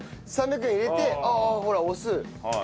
３００円入れてああほら押す。